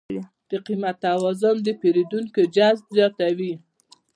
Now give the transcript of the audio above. د قیمت توازن د پیرودونکو جذب زیاتوي.